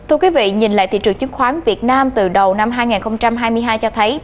thưa quý vị nhìn lại thị trường chứng khoán việt nam từ đầu năm hai nghìn hai mươi hai cho thấy